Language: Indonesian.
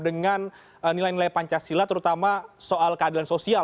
dengan nilai nilai pancasila terutama soal keadilan sosial